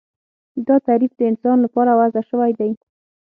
دا تعریف د انسان لپاره وضع شوی دی